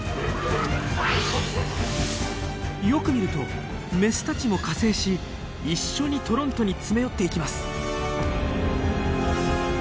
よく見るとメスたちも加勢し一緒にトロントに詰め寄っていきます。